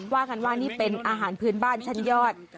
ว่ากันว่านี่เป็นอาหารพื้นบ้านชั้นยอด